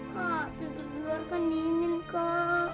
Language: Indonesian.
kak itu di luar kan dingin kak